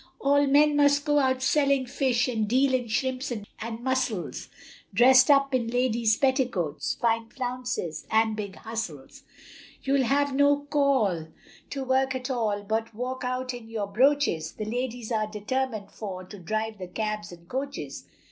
The men must go out selling fish, And deal in shrimps and mussels, Dress'd up in ladies' petticoats, Fine flounces and big bustles, You'll have no call to work at all, But walk out in your broaches, The ladies are determined, for, To drive the cabs and coaches.